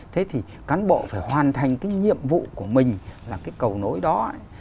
thế thì cán bộ phải hoàn thành cái nhiệm vụ của mình là cái cầu nối đó ấy